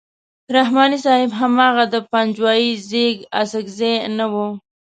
رحماني صاحب هماغه د پنجوایي زېږ اڅکزی نه وو.